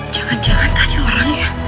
jangan jangan tadi orangnya